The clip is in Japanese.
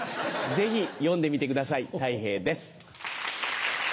ぜひ読んでみてくださいたい平です。